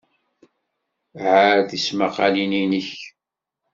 Ɛall tismaqalin-inek!